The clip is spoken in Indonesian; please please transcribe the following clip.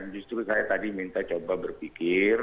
justru saya tadi minta coba berpikir